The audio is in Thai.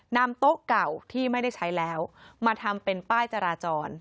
โต๊ะเก่าที่ไม่ได้ใช้แล้วมาทำเป็นป้ายจราจร